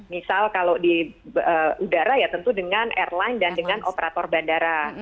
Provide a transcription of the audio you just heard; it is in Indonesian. misal kalau di udara ya tentu dengan airline dan dengan operator bandara